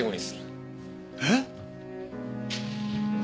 えっ！？